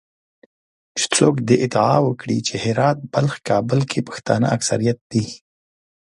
چې څوک دې ادعا وکړي چې هرات، بلخ، کابل کې پښتانه اکثریت دي